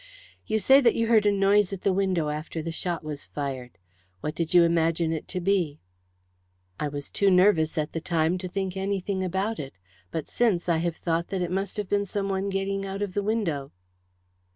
"You say that you heard a noise at the window after the shot was fired. What did you imagine it to be?" "I was too nervous at the time to think anything about it, but since I have thought that it must have been someone getting out of the window."